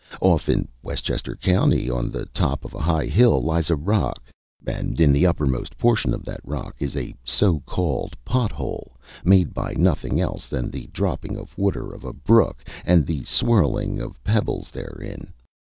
Off in Westchester County, on the top of a high hill, lies a rock, and in the uppermost portion of that rock is a so called pot hole, made by nothing else than the dropping of water of a brook and the swirling of pebbles therein.